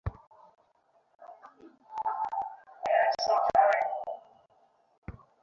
সংবাদপত্রে গোরা লড়াই শুরু করিল।